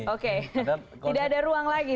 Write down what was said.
oke tidak ada ruang lagi